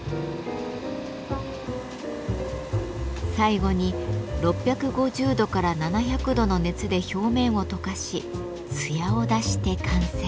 最後に６５０度から７００度の熱で表面を溶かしツヤを出して完成。